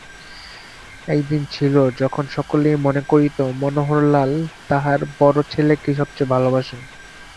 একদিন ছিল যখন সকলেই মনে করিত মনোহরলাল তাঁহার বড়ো ছেলেকেই সব চেয়ে ভালোবাসেন।